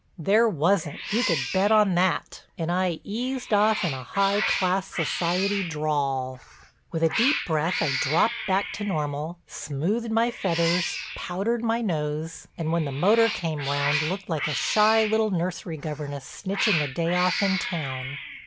There wasn't—you could bet on that—and I eased off in a high class society drawl. With a deep breath I dropped back to normal, smoothed my feathers, powdered my nose, and when the motor came round looked like a shy little nursery governess, snitching a day off in town.